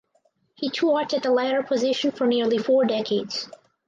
He taught at the latter position for nearly four decades.